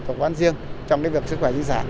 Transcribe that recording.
thổ quán riêng trong cái việc sức khỏe sinh sản